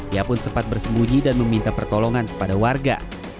ia pun sempat bersembunyi dan meminta pertolongan kepada warga